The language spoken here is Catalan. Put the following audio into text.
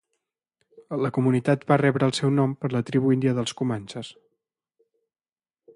La comunitat va rebre el seu nom per la tribu índia dels comanxes.